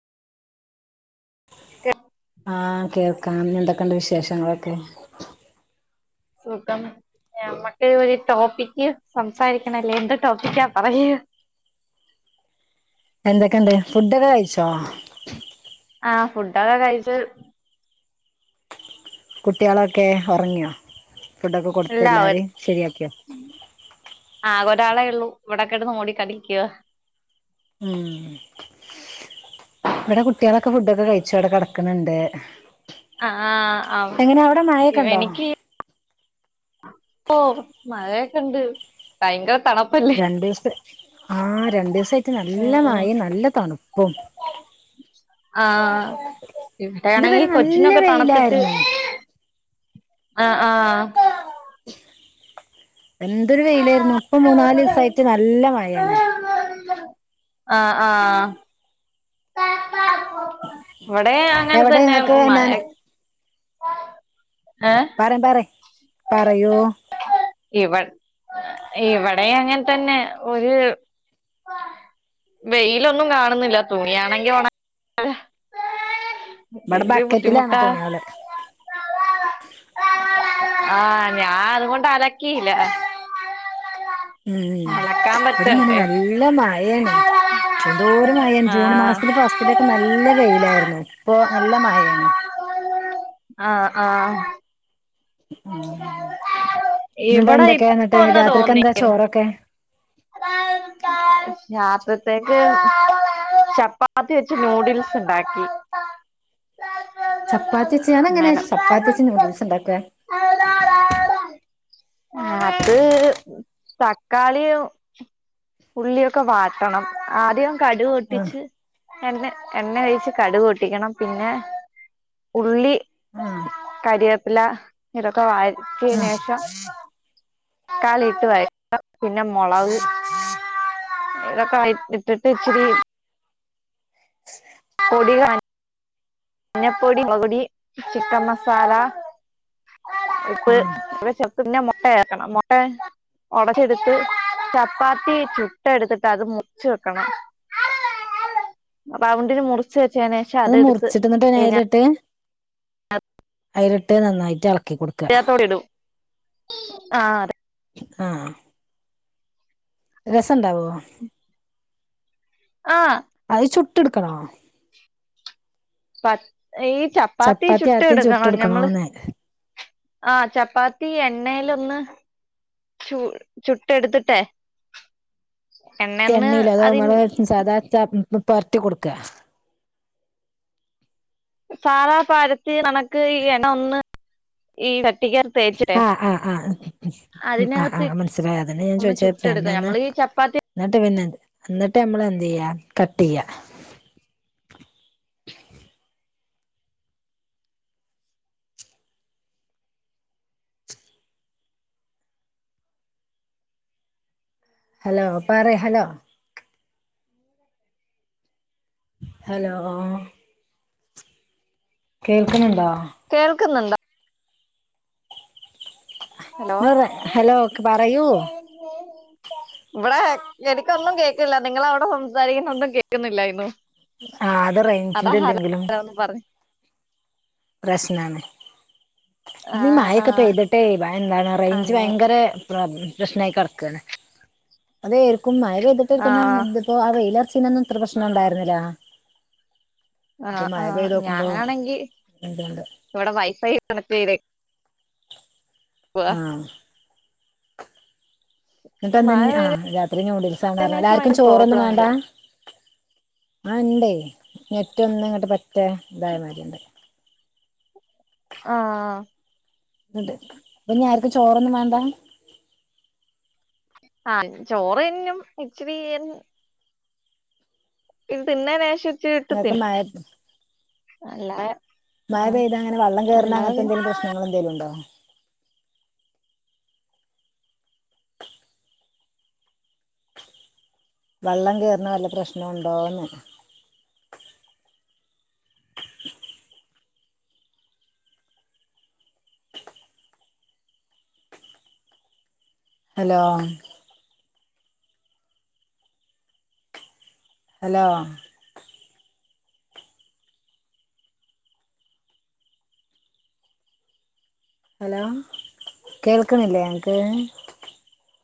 ആഹ് കേൾക്കാം എന്തൊക്കെയുണ്ട് വിശേഷങ്ങളൊക്കെ സുഖം ഞമ്മക്ക് ഒരു ടോപ്പിക്ക് സംസാരിക്കണല്ലേ എന്ത് ടോപ്പിക്കാ പറയാ എന്തൊക്കെണ്ട് ഫുഡൊക്കെ കഴിച്ചോ? ആഹ് ഫുഡൊക്കെ കഴിച്ചു കുട്ടികളൊക്കെ ഒറങ്ങിയോ ഫുഡൊക്കെ കൊടുത്ത് ഇല്ല ഒ- എല്ലാവരെയും ശെരിയാക്കിയോ ആകെ ഒരാളെ ഉള്ളൂ ഇവടെ കിടന്ന് ഒടി കളിക്കുവാ ഊം ഇവിടെ കുട്ട്യാളൊക്കെ ഫുഡൊക്കെ കഴിച്ചു അവിടെ കെടക്കണുണ്ട് ആഹ് ആഹ് ആഹ് എങ്ങനെ അവടെ മഴ ഇവ- ഒക്കെണ്ടോ? ഓഹ് മഴയൊക്കെ ഉണ്ട് ഭയങ്കര തണുപ്പ രണ്ടീസ്ത്തെ ആ രണ്ടീസം ആയിട്ട് നല്ല ഉം മഴേം നല്ല തണുപ്പും ആഹ് ഇതുവരെ ഇവിടെയാണെങ്കിൽ നല്ല കൊച്ചിനൊക്കെ തണുത്തിട്ട് വെയിലായിരുന്നു ആ ആഹ് എന്തൊരു വെയിലായിരുന്നു ഇപ്പം മൂന്ന് നാല് ദിവസായിട്ട് നല്ല മഴയാണ് ആ ആഹ് ഇവടെ അങ്ങനെ എവിടെ തന്നെ മഴ നിങ്ങക്ക് ഏഹ് പറിം പറിം പറയൂ ഇവ ഇവിടെ അങ്ങനെ തന്നെ ഒരു [unintelligible] വെയിലൊന്നും കാണുന്നില്ല തുണിയാണെങ്കി ഒണ [unintelligible] ഇവിടെ എന്ത് ബക്കറ്റിലാണ് ബുദ്ധിമുട്ടാ തുണികള് ആഹ് ഞാൻ അതുകൊണ്ട് അലക്കീല്ല ഉം ഇവിടെ ഇന്നലെ നല്ല മഴയാണ് എന്തോര് മഴാണ് ജൂൺ ആഹ് മാസത്തില് ഫസ്റ്റിലൊക്കെ നല്ല വെയിലായിരുന്നു ഇപ്പൊ നല്ല മഴയാണ് ആഹ് ആഹ് ഉം ന്നിട്ട് ഇവിടെ എന്തൊക്കെ ഇപ്പ ന്നിട്ട് രാത്രിക്കെന്താ ചോറൊക്കെ രത്രീത്തേക്ക് ചപ്പാത്തി വെച്ച് നൂഡിൽസ് ഉണ്ടാക്കി ചപ്പാത്തി വച്ച് അതെങ്ങനെ അന്നേരം ചപ്പാത്തി വച്ച് നൂഡിൽസ് ഉണ്ടാക്കും അത് തക്കാളിയും ഉള്ളിയൊക്കെ വാട്ടണം ആദ്യം ആഹ് കടുപൊട്ടിച്ച് എണ്ണ എണ്ണ ഒഴിച്ച് കടുക് പൊട്ടിക്കണം പിന്നെ ഉള്ളി ആഹ് കരിവേപ്പില ഇതൊക്കെ ആഹ് വഴറ്റിയെനുശേഷം ക്കാളിട്ട് വയറ്റ പിന്നെ മൊളവ് ഇതൊക്കെ ഇട്ടിട്ട് ഇച്ചിരി പൊടിക മഞ്ഞപ്പൊടി മൊളക്പൊടി ചിക്കൻ മസാല ഇപ്പ് ഉം ഇവിടെ ചെത്ത് പിന്ന മുട്ടയാക്കണം മുട്ട ഒടച്ചെടുത്ത് ചപ്പാത്തി ചുട്ടെടുത്തിട്ട് അത് മുറിച്ച് വെക്കണം റൗണ്ടിന് മുറിച്ച് വെച്ചേനേഷം അതെടുത്ത് ന്നിട്ട് അയിനാ ഞാൻ അയിലിട്ട് അയിലിട്ട് നന്നായിട്ട് ഇളക്കികൊട് [unintelligible] ത്തോടിടും ആഹ് അതെ ആഹ് രസണ്ടാവോ ആഹ് അത് ചുട്ടെടുക്കണോ ഈ ചപ്പാത്തി ചുട്ട് ആദ്യം ഇട്ക്കണം ഞമ്മള് ചുട്ടെടുക്കണോന്ന് ആഹ് ചപ്പാത്തി എണ്ണേലൊന്ന് ചു ചുട്ടെടുത്തിട്ടേ എണ്ണേന്ന് അതിന് [unintelligible] പൊരറ്റി കൊടുക്ക സാദാ പരത്തി നെനക്ക് ഈ ഇണ ഒന്ന് ഈ ചട്ടിക്കാ ആഹ് ആഹ് ആഹ് മ് ആഹ് അതിനകത്ത് ആഹ് മനസ്സിലായി അതെന്നെ ഞാൻ ഒന്ന് ചോയിച്ച ചുട്ടെടുക്ക പെണ്ണേന്ന് നമ്മള് ഈ ചപ്പാത്തി ന്നിട്ട് പിന്നെ എന്നിട് നമ്മള്ന്ത്യ്യാ കട്ടിയ്യ ഹലോ പറയ് ഹലോ ഹലോ കേൾക്ക്ണണ്ടോ കേൾക്കുന്നുണ്ടോ [unintelligible] ഹലോ പറയൂ ഉ [unintelligible] ഇവിടെ എനിക്കൊന്നും കേക്കില്ല നിങ്ങളവിടെ സംസാരിക്കുന്ന ഒന്നും കേൾക്കുന്നില്ലായിരുന്നു ആഹ് അത് റേഞ്ചിന്റെ ന്തെങ്കിലും ന്ന് പറഞ്ഞ് പ്രശ്നാണ് ആ ഇന്ന് ആ മയക്കെ പെയ്തിട്ടേ ഭയ എന്താണ് റേഞ്ച് അന്നെ ഭയങ്കര പ്രശ്നായി കെടക്കാണ് അതേർക്കും മയ പെയ്തിട്ട് ആ [unintelligible] ഇപ്പോ ആ വെയിലർച്ചീനൊന്നും ഇത്ര പ്രശ്നം ഉണ്ടായിരുന്നില്ല ആ ഇപ്പൊ ആ മഴ പെയ്തോക്കുമ്പോ ഞാനാണെങ്കി [unintelligible] ഇവിടെ വൈഫൈ കണക്ട്യ്തേ ആഹ് മഴ ന്നിട്ട്ന്താഞ്ഞ് ആ രാത്രി പെയ്തതിന് നൂഡിൽസാന്നറഞ്ഞല്ല ശേഷം ആർക്കും ഭയങ്കര ചോറൊന്നും പ്രോബ്ലം വേണ്ട ഉണ്ട് ആഹ് ഇണ്ടയ് നെറ്റൊന്ന് ഇങ്ങട്ട് പറ്റ ഇതായമാരിണ്ട് ആഹ് ന്നിട്ട് ഇനിയാർക്കും ചോറൊന്നും വേണ്ട ആഹ് ചോറിന്നും ഇച്ചിരി തിന്നേനേഷം ഇച്ചിരിട്ട് ഇങ്ങക്ക് തിന്നും മഴ അല്ലാതെ മഴ പെയ്ത അങ്ങനെ വള്ളം കേർണ അല്ലാതെ അങ്ങനെത്തെന്തേലും പ്രശ്നങ്ങളെന്തേലും ഉണ്ടോ വെള്ളം കേറുന്ന വല്ല പ്രശ്നും ണ്ടോന്ന് ഹലോ ഹലോ ഹലോ കേൾക്ക്ണില്ലേ ങ്ങക്ക്